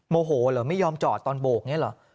โมโหหหรอไม่ยอมจอดตอนโบกเนี้ยหรอ